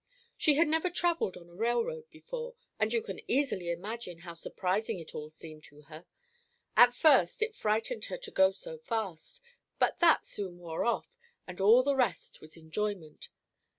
She had never travelled on a railroad before, and you can easily imagine how surprising it all seemed to her. At first it frightened her to go so fast, but that soon wore off, and all the rest was enjoyment.